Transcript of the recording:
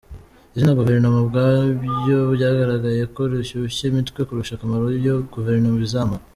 Izina Guverinoma ubwabyo byagaragaye ko rishyushya imitwe kurusha akamaro iyo Guverinoma izamara.